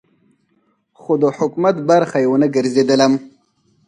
خو د حکومت برخه یې ونه ګرځېدلم.